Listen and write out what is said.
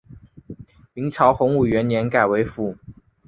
明朝洪武元年改为府。